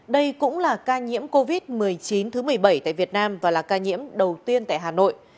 đây cũng là ca nhiễm covid một mươi chín thứ một mươi bảy tại việt nam và là ca nhiễm đầu tiên tại hà nội